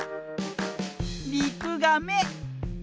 リクガメ。